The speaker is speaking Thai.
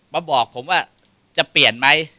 มาบอกผมว่าจะเปลี่ยนไหม